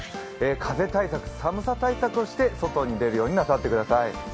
風対策、寒さ対策をして外に出るようになさってください。